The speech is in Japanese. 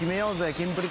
キンプリ